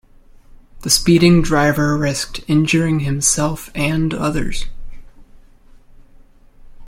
The speeding driver risked injuring himself and others.